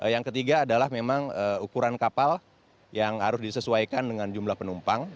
yang ketiga adalah memang ukuran kapal yang harus disesuaikan dengan jumlah penumpang